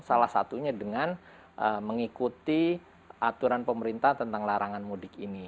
salah satunya dengan mengikuti aturan pemerintah tentang larangan mudik ini